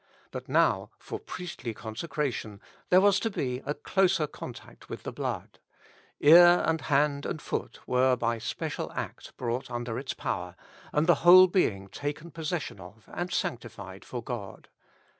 But now, for priestly consecration, there was to be closer contact with the blood ; ear and hand and foot were by a special act brought under its power, and the whole being taken possession of and sanctified for God.